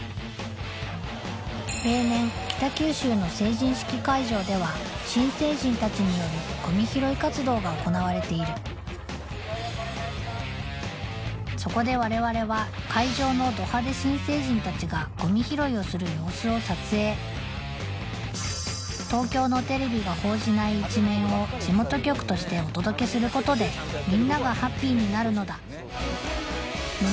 例年北九州の成人式会場では新成人たちによるゴミ拾い活動が行われているそこでわれわれは会場のド派手新成人たちがゴミ拾いをする様子を撮影東京のテレビが報じない一面を地元局としてお届けすることでみんながハッピーになるのだ無論